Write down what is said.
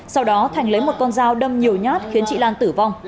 sau đó thành lấy một con dao đâm nhiều nhát khiến chị lan tử vong